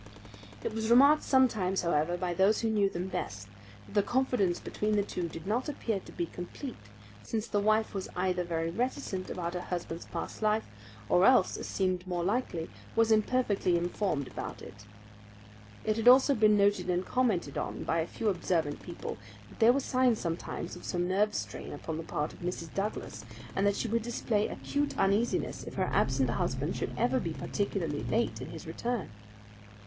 It was remarked sometimes, however, by those who knew them best, that the confidence between the two did not appear to be complete, since the wife was either very reticent about her husband's past life, or else, as seemed more likely, was imperfectly informed about it. It had also been noted and commented upon by a few observant people that there were signs sometimes of some nerve strain upon the part of Mrs. Douglas, and that she would display acute uneasiness if her absent husband should ever be particularly late in his return.